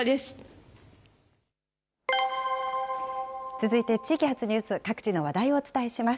続いて地域発ニュース、各地の話題をお伝えします。